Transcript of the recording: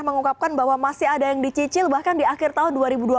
mengungkapkan bahwa masih ada yang dicicil bahkan di akhir tahun dua ribu dua puluh